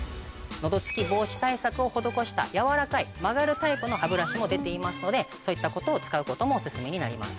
喉突き防止対策を施したやわらかい曲がるタイプの歯ブラシも出ていますのでそういったことを使うこともおすすめになります。